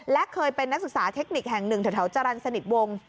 และเคยเป็นนักศึกษาเทคนิคแห่งหนึ่งแถวจรรย์สนิทวง